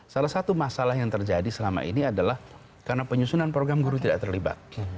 salah satu masalah yang terjadi selama ini adalah karena penyusunan program guru tidak terlibat